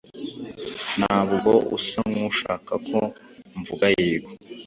Ntabwo usa nkushaka ko mvuga yego.